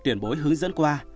tiền bối hướng dẫn qua